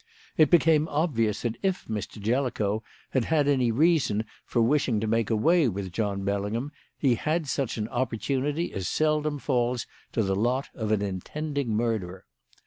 It became obvious that if Mr. Jellicoe had had any reason for wishing to make away with John Bellingham, he had such an opportunity as seldom falls to the lot of an intending murderer.